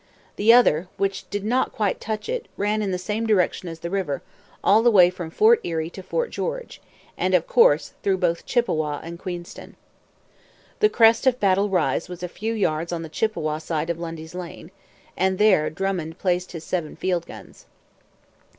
The other, which did not quite touch it, ran in the same direction as the river, all the way from Fort Erie to Fort George, and, of course, through both Chippawa and Queenston. The crest of Battle Rise was a few yards on the Chippawa side of Lundy's Lane; and there Drummond placed his seven field guns.